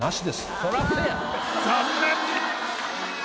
残念！